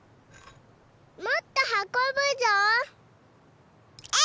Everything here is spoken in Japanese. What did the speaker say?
もっとはこぶぞ！